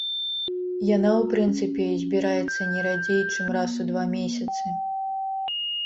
Яна ў прынцыпе збіраецца не радзей, чым раз у два месяцы.